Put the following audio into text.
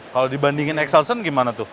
kalau dibandingin excelson gimana tuh